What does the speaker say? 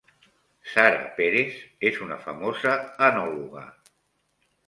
Sara Pérez és una famosa enòloga